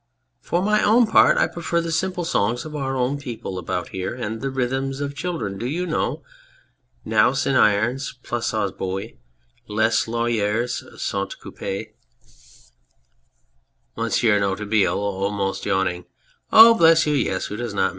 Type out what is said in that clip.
} For my own part I prefer the simple songs of our own people about here and the rhymes of children. Do you know Nous n'irons plus aux bois Les lauritrs sont coupes ? 210 Compiegne MONSIEUR DE NOIRETABLE (almost yawning). Oh ! Bless you, yes. Who does not.